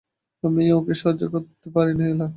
আমিও ওকে সহ্য করতে পারি নে এলা।